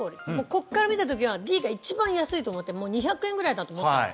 こっから見た時はＤが一番安いと思って２００円ぐらいだと思ったの。